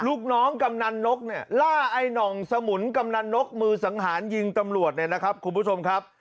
ลูกน้องกำนันนกเนี่ยล่าไอ้หน่องสมุนกำนันนกมือสังหารยิงตำรวจเนี่ยนะครับคุณผู้ชมครับ